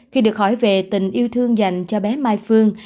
khi được hỏi về tình yêu thương dành cho bé mai phương